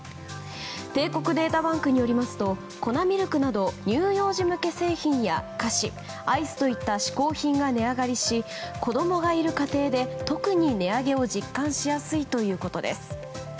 帝国データバンクによりますと粉ミルクなど乳幼児向け製品や菓子、アイスといった嗜好品が値上がりし子供がいる家庭で、特に値上げを実感しやすいということです。